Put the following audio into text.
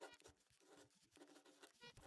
na waziri mkuu wa india juu ya maswala